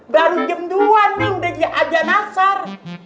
baru jam dua nih udah dia ajan asar